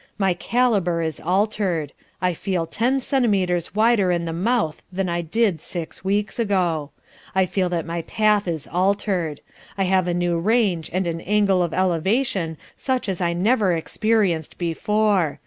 My calibre is altered. I feel ten centimeters wider in the mouth than I did six weeks ago. I feel that my path is altered. I have a new range and an angle of elevation such as I never experienced before.